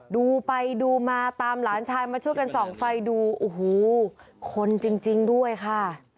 ดูไปดูมาตามหลานชายมาช่วยกันส่องไฟดูโอ้โหคนจริงด้วยค่ะ